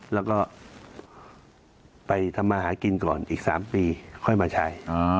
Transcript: แล้วก็ไปทำมาหากินก่อนอีก๓ปีค่อยมาใช้